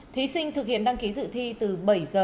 thí sinh thực hiện đăng ký dự thi từ bảy h